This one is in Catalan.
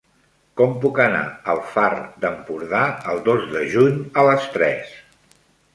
Com puc anar al Far d'Empordà el dos de juny a les tres?